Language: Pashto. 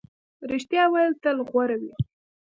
رښتیا ویل تل غوره وي.